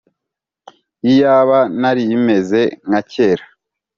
Iyaba narimeze nkacyera